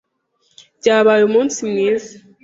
Byabaye umunsi mwiza.